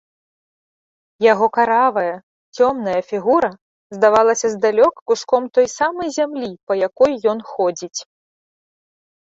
Яго каравая, цёмная фігура здавалася здалёк куском той самай зямлі, па якой ён ходзіць.